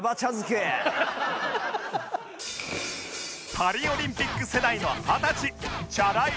パリオリンピック世代の二十歳チャラい